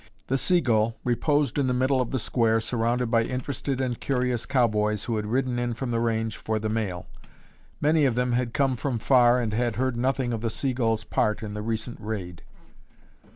The "Seagull" reposed in the middle of the square surrounded by interested and curious cowboys who had ridden in from the range for the mail. Many of them had come from far and had heard nothing of the "Seagull's" part in the recent raid.